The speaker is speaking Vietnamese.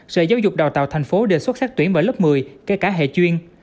sở giáo dục đào tạo thành phố đề xuất xét tuyển vào lớp một mươi kể cả hệ chuyên